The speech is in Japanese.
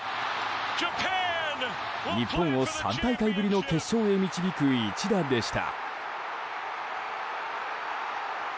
日本を３大会ぶりの決勝へ導く一打でした。